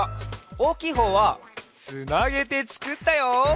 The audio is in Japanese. おおきいほうはつなげてつくったよ！